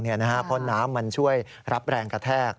เพราะน้ำมันช่วยรับแรงกระแทก